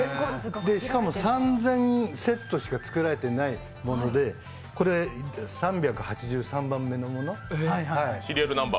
しかも３０００セットしか作られていないものでこれ、３８３番目のもの。